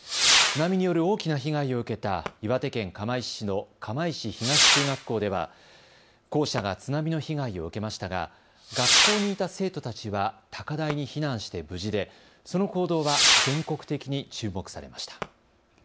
津波による大きな被害を受けた岩手県釜石市の釜石東中学校では校舎が津波の被害を受けましたが学校にいた生徒たちは高台に避難して無事でその行動は全国的に注目されました。